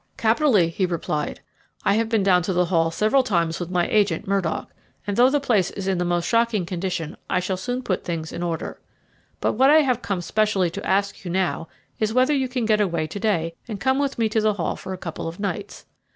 "Capitally," he replied. "I have been down to the Hall several times with my agent, Murdock, and though the place is in the most shocking condition I shall soon put things in order. But what I have come specially to ask you now is whether you can get away to day and come with me to the Hall for a couple of nights.